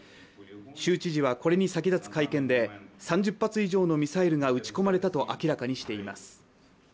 州知事はこれに先立つ会見で３０発以上のミサイルが撃ち込まれたと明らかにしています。